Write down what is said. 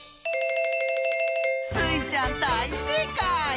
スイちゃんだいせいかい！